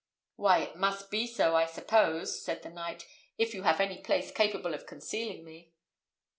"Why, it must be so, I suppose," said the knight, "if you have any place capable of concealing me."